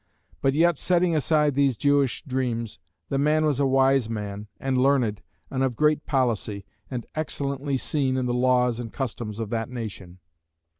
But yet setting aside these Jewish dreams, the man was a wise man, and learned, and of great policy, and excellently seen in the laws and customs of that nation.